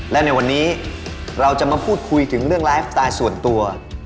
และในวันนี้เราจะมาพูดคุยถึงเรื่องไลฟ์สไตล์ส่วนตัว